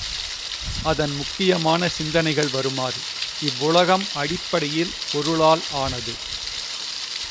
அதன் முக்கியமான சிந்தனைகள் வருமாறு இவ்வுலகம் அடிப்படையில் பொருளால் ஆனது.